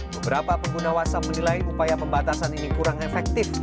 beberapa pengguna whatsapp menilai upaya pembatasan ini kurang efektif